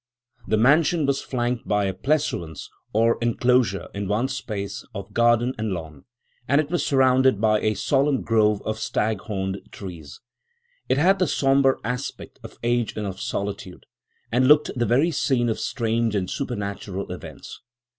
The mansion was flanked by a pleasaunce or enclosure in one space, of garden and lawn, and it was surrounded by a solemn grove of stag horned trees. It had the sombre aspect of age and of solitude, and looked the very scene of strange and supernatural events.